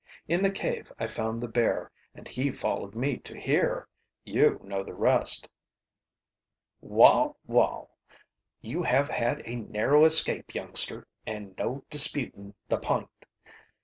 In the cave I found the bear and he followed me to here. You know the rest." "Wall! wall! You have had a narrow escape, youngster, an' no disputin' the p'int.